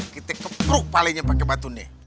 kita kepruk palenya pake batu nih